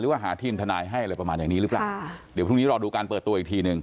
ว่าหาทีมทนายให้อะไรประมาณอย่างนี้หรือเปล่าค่ะเดี๋ยวพรุ่งนี้รอดูการเปิดตัวอีกทีหนึ่ง